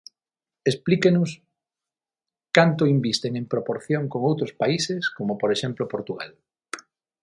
Explíquenos canto invisten en proporción con outros países, como, por exemplo, Portugal.